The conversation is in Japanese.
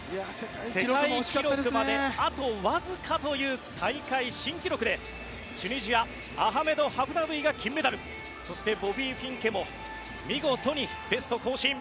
世界記録まであとわずかという大会新記録でチュニジアアハメド・ハフナウイそして、ボビー・フィンケも見事にベスト更新。